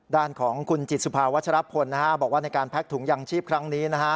ด้านของคุณจิตสุภาวัชรพลนะฮะบอกว่าในการแพ็กถุงยางชีพครั้งนี้นะฮะ